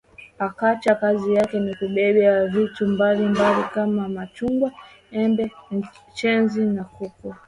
Pakacha kazi yake ni kubebea vitu mbali mbali kama machungwa embe chenza na kuku